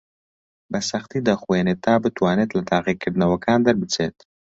بەسەختی دەخوێنێت تا بتوانێت لە تاقیکردنەوەکان دەربچێت.